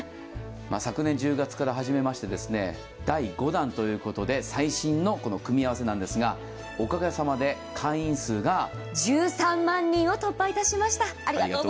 昨年１０月から初めまして第５弾ということで最新の組み合わせなんですが、おかげさまで会員数が１３万人を突破いたしました。